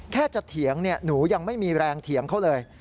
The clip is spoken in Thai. แค่จะเถียงหนูยังไม่มีแรงเถียงเขาเลย